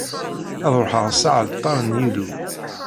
Ad ruḥeɣ s aɛalṭar n Yillu.